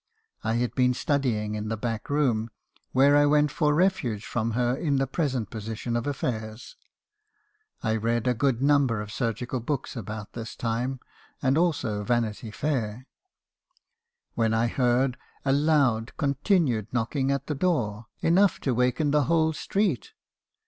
I had been studying in the back room, where I went for refuge from her in the present position of affairs; (I read a good number of surgical books about this time, and also 'Vanity Fair;') when I heard a loud, long continued knocking at the door, enough to waken the whole street.